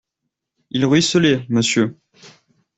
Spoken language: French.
Il ruisselait, monsieur!